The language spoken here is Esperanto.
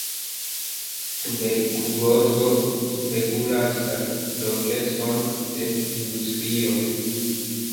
Tuberkulozo spegulas la progreson de industrio.